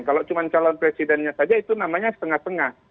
kalau cuma calon presidennya saja itu namanya setengah setengah